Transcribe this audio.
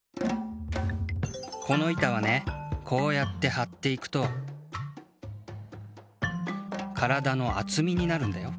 この板はねこうやってはっていくとからだの厚みになるんだよ。